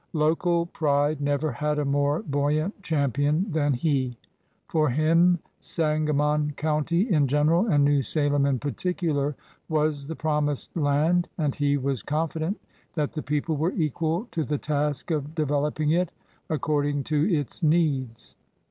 Local pride never had a more buoyant champion than he. For him Sangamon County in general and New Salem in particular, was the promised land, and he was confident that the people were equal to the task of developing it according to its needs.